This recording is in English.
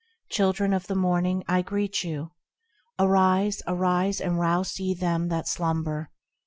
Children of the Morning, I greet you. Awake ! arise! and rouse ye them that slumber!